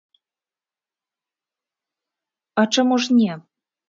А чаму ж не.